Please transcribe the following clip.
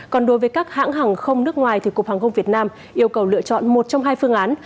còn đối với các hãng hàng không nước ngoài cục hàng không việt nam yêu cầu lựa chọn một trong hai phương án